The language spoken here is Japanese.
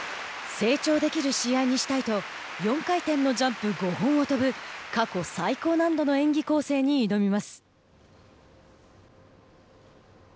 成長できる試合にしたいと４回転のジャンプ５本を跳ぶ過去最高難度の演技構成に挑みます。